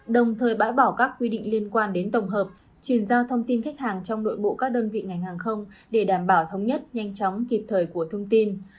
đồng thời bãi bỏ các quy định liên quan đến tổng hợp truyền giao thông tin khách hàng trong nội bộ các đơn vị ngành hàng không để đảm bảo thống nhất nhanh chóng kịp thời của thông tin